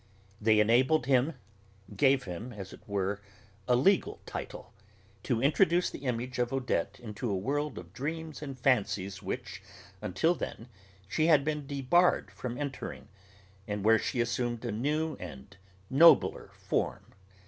They enabled him (gave him, as it were, a legal title) to introduce the image of Odette into a world of dreams and fancies which, until then, she had been debarred from entering, and where she assumed a new and nobler form.